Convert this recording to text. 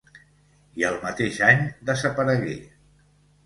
I al mateix any desaparegué.